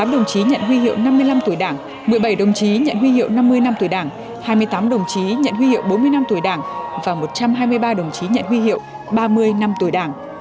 một mươi đồng chí nhận huy hiệu năm mươi năm tuổi đảng một mươi bảy đồng chí nhận huy hiệu năm mươi năm tuổi đảng hai mươi tám đồng chí nhận huy hiệu bốn mươi năm tuổi đảng và một trăm hai mươi ba đồng chí nhận huy hiệu ba mươi năm tuổi đảng